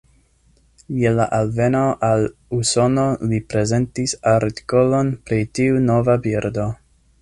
Je la alveno al Usono li prezentis artikolon pri tiu nova birdo.